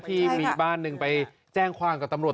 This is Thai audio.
ที่มีบ้านหนึ่งไปแจ้งความกับตำรวจ